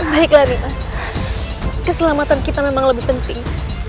baiklah nimas keselamatan kita memang lebih penting